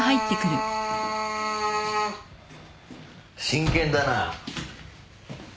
真剣だな。